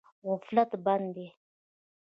غفلت بد دی.